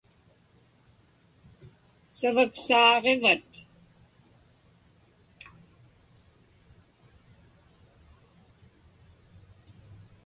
Savaksaaġivat?